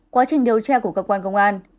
quá trình điều tra của cơ quan công an